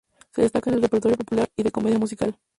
Se destaca en el repertorio popular y de comedia musical.